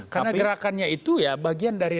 karena gerakannya itu ya bagian dari